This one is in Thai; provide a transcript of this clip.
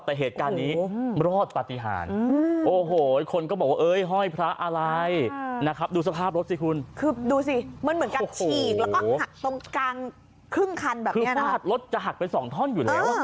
อะไรเหตุการณ์นี้รอดปฏิหารคนก็บอกว่าเฮ้ย